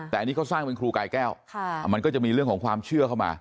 แต่อันนี้เขาสร้างเป็นครูกายแก้วมันก็จะมีเรื่องของความเชื่อเข้ามา